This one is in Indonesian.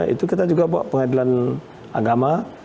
itu kita juga bawa pengadilan agama